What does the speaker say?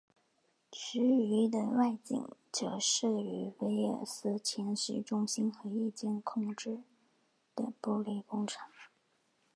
其余的外景则摄于威尔斯千禧中心和一间空置的玻璃工厂。